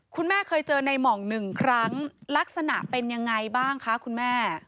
คุณแม่เคยเจอในหม่องหนึ่งครั้งลักษณะเป็นยังไงบ้างคะคุณแม่